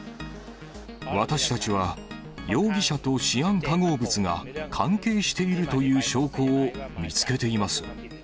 私たちは容疑者とシアン化合物が、関係しているという証拠を見つけています。